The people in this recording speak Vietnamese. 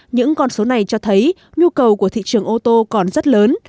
những con số này cho thấy nhu cầu của thị trường ô tô còn rất lớn